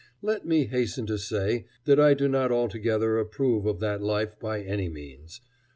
Let me hasten to say that I do not altogether approve of that life by any means.